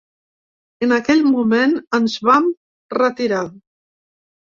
En aquell moment ens en vam retirar.